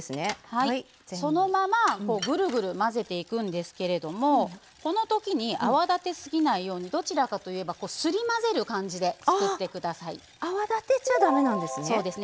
そのまま、ぐるぐる混ぜていくんですけれどもこのときに泡立てすぎないようにどちらかといえばすり混ぜる感じで泡立てちゃだめなんですね。